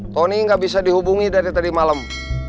tony nggak bisa dihubungi dari tadi malam